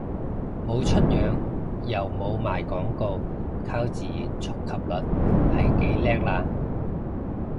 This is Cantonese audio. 冇出樣又冇賣廣告，靠自然觸及率係幾叻喇